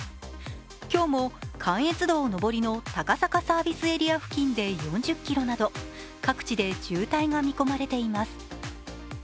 今日も関越道上りの高坂サービスエリア付近で４０ｋｍなど各地で渋滞が見込まれています。